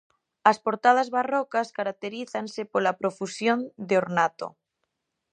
As portadas barrocas caracterízanse pola profusión de ornato.